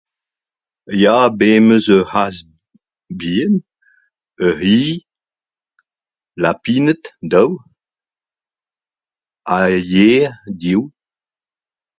Ya, be 'm eus ur c'hazh bihan, ur c' hi. Lapined, daou ha yer, div.